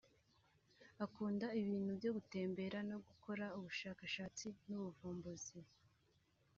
Akunda ibintu byo gutembera no gukora ubushakashatsi n’ubuvumbuzi